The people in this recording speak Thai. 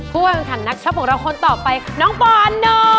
ผู้แข่งขันนักช็อปของเราคนต่อไปน้องปอนโน